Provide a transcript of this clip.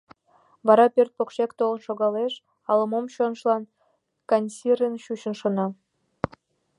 Вара пӧрт покшек толын шогалеш, ала-мом чонжылан каньысырын чучын шона.